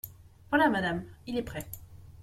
Voilà, madame, il est prêt.